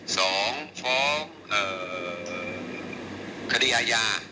ฟ้องฟ้องคดีอาญา